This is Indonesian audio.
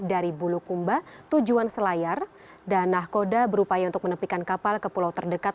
dari bulukumba tujuan selayar dan nahkoda berupaya untuk menepikan kapal ke pulau terdekat